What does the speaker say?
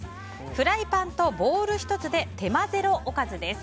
フライパンとボウルひとつで手間ゼロおかずです。